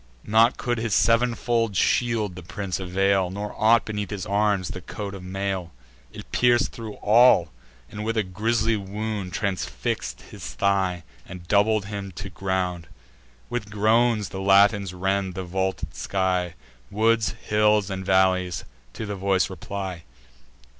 Naught could his sev'nfold shield the prince avail, Nor aught, beneath his arms, the coat of mail: It pierc'd thro' all, and with a grisly wound Transfix'd his thigh, and doubled him to ground. With groans the Latins rend the vaulted sky: Woods, hills, and valleys, to the voice reply.